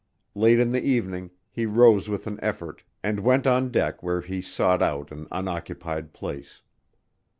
Late in the evening he rose with an effort and went on deck where he sought out an unoccupied place.